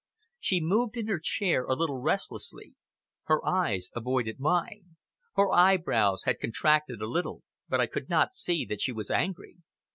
She moved in her chair a little restlessly. Her eyes avoided mine. Her eyebrows had contracted a little, but I could not see that she was angry.